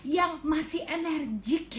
yang masih enerjik